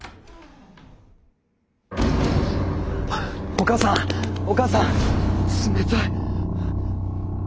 お母さん⁉お母さん冷たい。